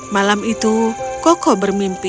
malam itu koko bermimpi